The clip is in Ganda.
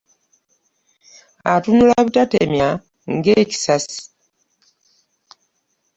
Atunnula butatemya ng'kisasi.